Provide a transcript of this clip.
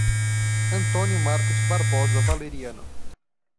Antônio Marcos Barbosa Valeriano